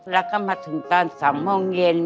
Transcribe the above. แล้วก็มาถึงตอน๓โมงเย็น